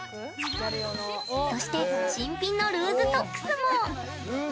そして、新品のルーズソックスも。